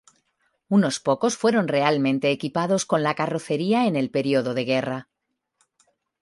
Unos pocos fueron realmente equipados con la carrocería en el periodo de guerra.